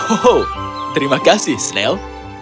oh terima kasih snell